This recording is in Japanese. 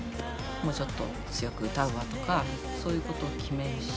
もうちょっと強く歌うわとかそういうことを決めるし。